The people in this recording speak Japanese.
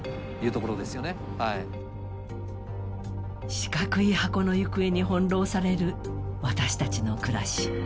四角い箱の行方に翻弄される私たちの暮らし。